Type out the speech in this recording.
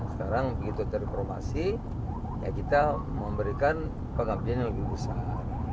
sekarang begitu terinformasi ya kita memberikan pengabdian yang lebih besar